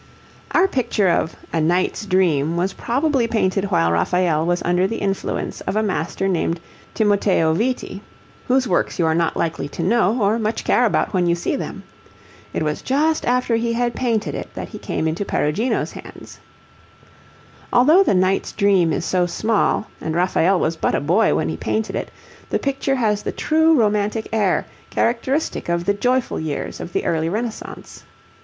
Our picture of a 'Knight's Dream' was probably painted while Raphael was under the influence of a master named Timoteo Viti, whose works you are not likely to know, or much care about when you see them. It was just after he had painted it that he came into Perugino's hands. Although the 'Knight's Dream' is so small, and Raphael was but a boy when he painted it, the picture has the true romantic air, characteristic of the joyful years of the early Renaissance.